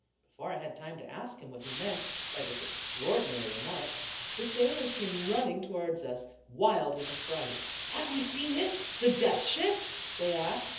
Before I had time to ask him what he meant by this extraordinary remark, the sailors came running towards us, wild with affright. " Have you seen it — the Death Ship ?" they asked.